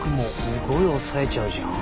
すごい抑えちゃうじゃん。